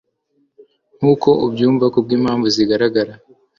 nkuko ubyumva kubwimpamvu zigaragara